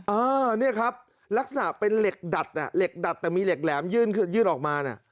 อ้าวนี่ครับลักษณะเป็นเหล็กดัดแต่มีเหล็กแหลมยื่นออกมา